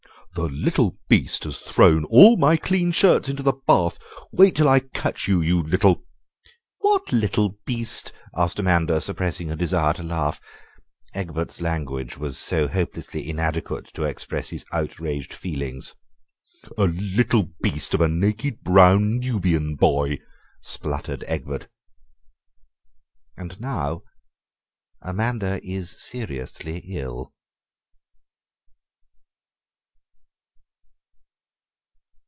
"The little beast has thrown all my clean shirts into the bath! Wait till I catch you, you little—" "What little beast?" asked Amanda, suppressing a desire to laugh; Egbert's language was so hopelessly inadequate to express his outraged feelings. "A little beast of a naked brown Nubian boy," spluttered Egbert. And now Amanda is seriously ill.